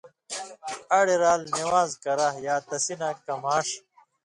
اڑیۡ رال (نِوان٘ز کرہ) یا تسی نہ کماݜ